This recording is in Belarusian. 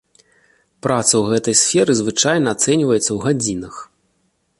Праца ў гэтай сферы звычайна ацэньваецца ў гадзінах.